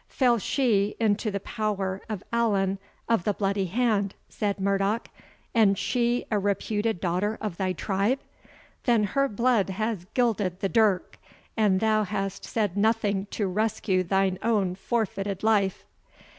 "Fell she into the power of Allan of the Bloody hand," said Murdoch, "and she a reputed daughter of thy tribe? Then her blood has gilded the dirk, and thou hast said nothing to rescue thine own forfeited life."